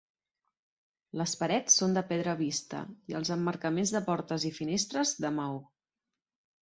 Les parets són de pedra vista i els emmarcaments de portes i finestres de maó.